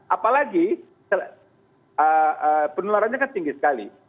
apalagi penularannya kan tinggi sekali